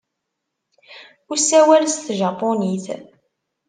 Ur ssawal s tjapunit.